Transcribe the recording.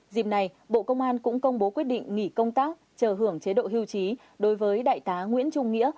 dịp này bộ công an cũng công bố quyết định nghỉ công tác chờ hưởng chế độ hưu trí đối với đại tá nguyễn trung nghĩa